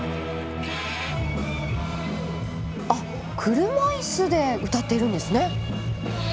あっ車椅子で歌っているんですね。